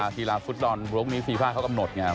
ธีราภูตดอนโรงนี้ฟีฟ้าก็กำหนดไง